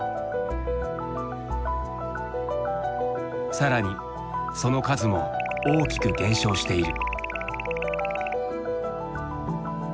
更にその数も大きく減少している。